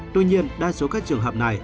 tuy nhiên đa số các trường hợp này